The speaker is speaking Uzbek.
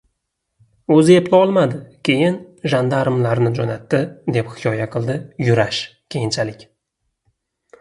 – Oʻzi eplolmadi, keyin jandarmlarni joʻnatdi, – deb hikoya qildi Yurash keyinchalik.